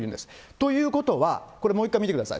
ということは、これもう一回見てください。